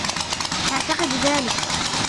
ﺃعتقد ذلك.